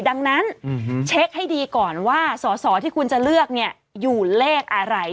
ดังนั้นเช็คให้ดีก่อนว่าสอสอที่คุณจะเลือกอยู่เลขอะไร